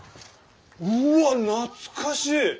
うわ懐かしい！